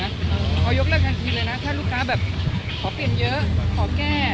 ยกเลิกทันทีเลยนะถ้าลูกค้าแบบขอเปลี่ยนเยอะขอแก้